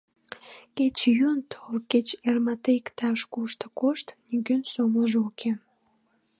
Кеч йӱын тол, кеч эр марте иктаж-кушто кошт — нигӧн сомылжо уке.